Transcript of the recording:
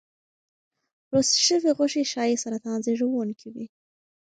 پروسس شوې غوښې ښایي سرطان زېږونکي وي.